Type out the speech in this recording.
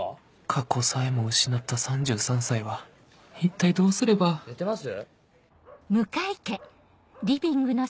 過去さえも失った３３歳は一体どうすれば寝てます？